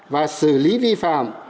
và xử lý vi phạm